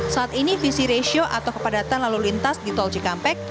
saat ini visi ratio atau kepadatan lalu lintas di tol cikampek